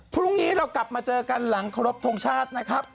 พรุ่งนี้เรากลับมาเจอกันหลังครบทรงชาตินะครับ